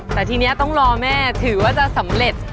แต่ทีนี้ต้องรอแม่ถือว่าจะสำเร็จ